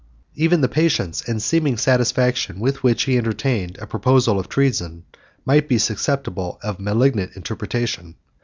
Even the patience and seeming satisfaction with which he entertained a proposal of treason, might be susceptible of a malignant interpretation.